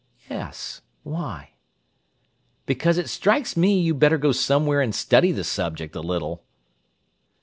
"Yes. Why?" "Because it strikes me you better go somewhere and study the subject a little!"